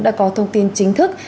đã có thông tin chính thức